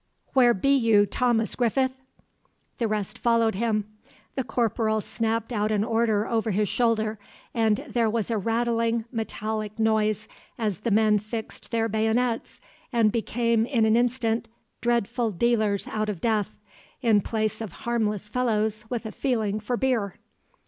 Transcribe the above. Where be you, Thomas Griffith?" The rest followed him. The corporal snapped out an order over his shoulder, and there was a rattling metallic noise as the men fixed their bayonets and became in an instant dreadful dealers out of death, in place of harmless fellows with a feeling for beer.